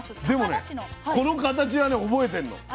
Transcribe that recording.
でもねこの形はね覚えてんの。